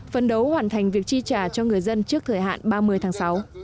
phân đấu hoàn thành việc chi trả cho người dân trước thời hạn ba mươi tháng sáu